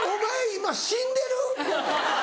今死んでる？